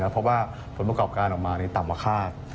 เพราะว่าผลประกอบการออกมาต่ำกว่าคาด